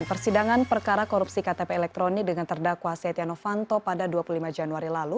persidangan perkara korupsi ktp elektronik dengan terdakwa setia novanto pada dua puluh lima januari lalu